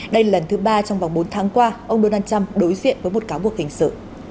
đây là lần thứ ba trong vòng bốn tháng qua ông donald trump đối diện với một cáo buộc hình sự